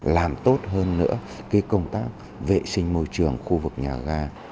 làm tốt hơn nữa công tác vệ sinh môi trường khu vực nhà ga